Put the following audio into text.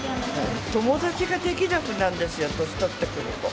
友達が出来なくなるんですよ、年取ってくると。